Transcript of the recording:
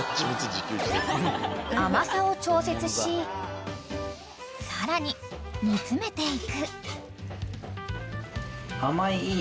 ［甘さを調節しさらに煮詰めていく］